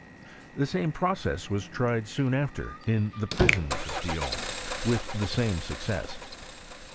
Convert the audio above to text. The same process was tried soon after in the prisons of Dijon, and with the same succesB.